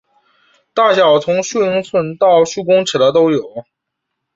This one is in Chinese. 大小从数英寸到数公尺都有。